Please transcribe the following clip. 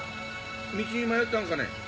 道に迷ったんかね？